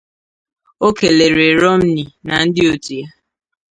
o kelere Romney na ndị otu ya